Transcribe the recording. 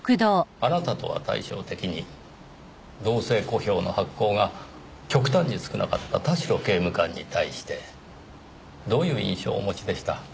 あなたとは対照的に動静小票の発行が極端に少なかった田代刑務官に対してどういう印象をお持ちでした？